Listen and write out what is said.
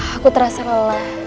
aku terasa lelah